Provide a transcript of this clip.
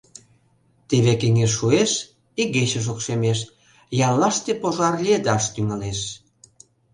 Теве кеҥеж шуэш, игече шокшемеш, яллаште пожар лиедаш тӱҥалеш.